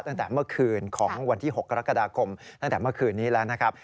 ตั้งแต่เมื่อคืนของวันที่๖กรกฎาคมตั้งแต่เมื่อคืนนี้แล้วนะครับ